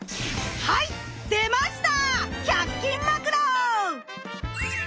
はい出ました